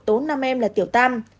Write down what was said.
tốn nam em là tiểu tam